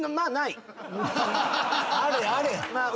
あれあれ。